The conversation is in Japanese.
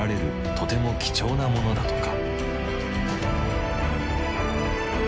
とても貴重なものだとか。